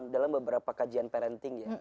dalam beberapa kajian parenting ya